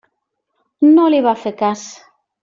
No li va fer cas.